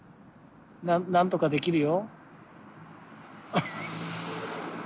なんとかできるよ。